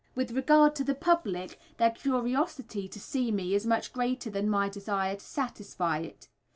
With regard to the public, their curiosity to see me is much greater than my desire to satisfy it.